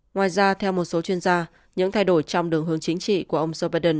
ngoài ra theo một số chuyên gia những thay đổi trong đường hướng chính trị của ông joe biden